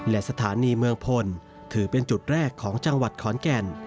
และสถานีเมืองพลถือเป็นจุดแรกของจังหวัดขอนแก่น